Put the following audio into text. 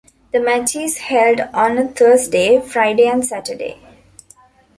The match is held on a Thursday, Friday and Saturday.